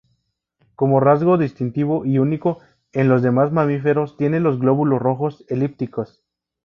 Como rasgo distintivo y único en los demás mamíferos, tienen los glóbulos rojos elípticos.